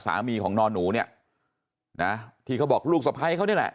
สามีของนอนหนูเนี่ยนะที่เขาบอกลูกสะพ้ายเขานี่แหละ